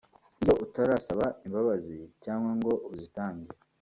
Iyo utarasaba imbabazi cyangwa ngo uzitange